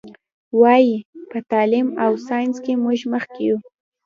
وایي: په تعلیم او ساینس کې موږ مخکې یو.